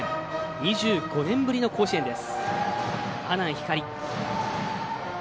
２５年ぶりの甲子園です。